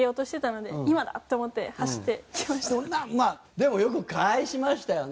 でもよく返しましたよね。